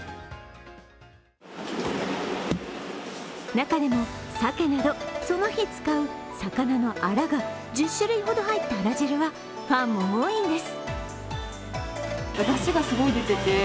中でも、鮭などその日使う魚のあらが１０種類ほど入ったあら汁はファンも多いんです。